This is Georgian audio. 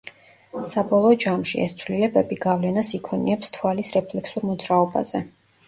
საბოლოო ჯამში, ეს ცვლილებები გავლენას იქონიებს თვალის რეფლექსურ მოძრაობაზე.